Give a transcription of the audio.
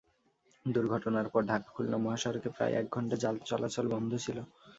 দুর্ঘটনার পর ঢাকা খুলনা মহাসড়কে প্রায় এক ঘণ্টা যান চলাচল বন্ধ ছিল।